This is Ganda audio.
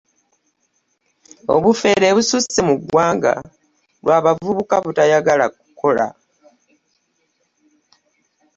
Obufere bususse mu ggwanga lwa bavubuka butayagala kukola.